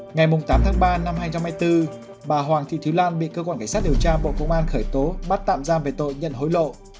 ngày tám tháng ba năm hai nghìn hai mươi bốn bà hoàng thị thúy lan bị cơ quan cảnh sát điều tra bộ công an khởi tố bắt tạm giam về tội nhận hối lộ